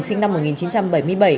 sinh năm một nghìn chín trăm bảy mươi bảy